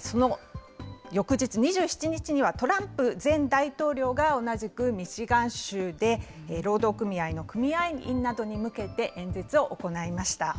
その翌日２７日にはトランプ前大統領が同じくミシガン州で、労働組合の組合員などに向けて演説を行いました。